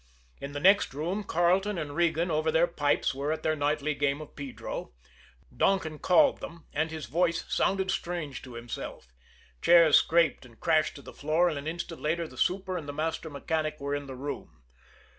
In the next room, Carleton and Regan, over their pipes, were at their nightly game of pedro. Donkin called them and his voice sounded strange to himself. Chairs scraped and crashed to the floor, and an instant later the super and the master mechanic were in the room.